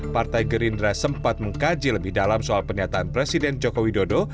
partai gerindra sempat mengkaji lebih dalam soal pernyataan presiden joko widodo